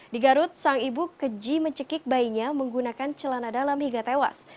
di garut sang ibu keji mencekik bayinya menggunakan celana dalam hingga tewas